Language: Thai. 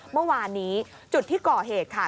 เมื่อวานนี้จุดที่ก่อเหตุค่ะ